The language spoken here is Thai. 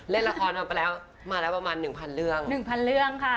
เล่นละครมาแล้วประมาณ๑๐๐๐เรื่อง๑๐๐๐เรื่องค่ะ